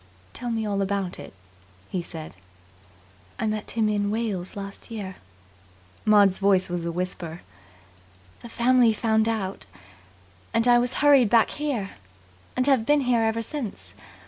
"Tell me all about it," he said. "I met him in Wales last year." Maud's voice was a whisper. "The family found out, and I was hurried back here, and have been here ever since.